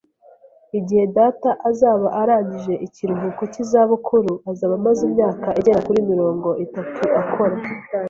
[S] Igihe data azaba arangije ikiruhuko cy'izabukuru, azaba amaze imyaka igera kuri mirongo itatu akora.